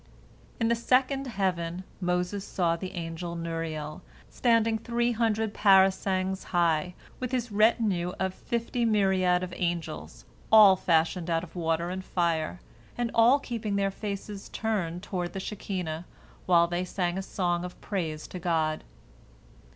In the second heaven Moses saw the angel Nuriel, standing three hundred parasangs high, with his retinue of fifty myriads of angels, all fashioned out of water and fire, and all keeping their faces turned toward the Shekinah while they sang a song of praise to God.